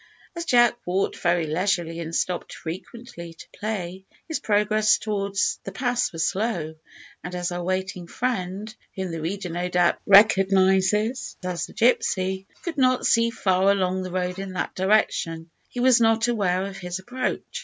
As Jack walked very leisurely and stopped frequently to play, his progress towards the pass was slow, and as our waiting friend, whom the reader no doubt recognises as the gypsy, could not see far along the road in that direction, he was not aware of his approach.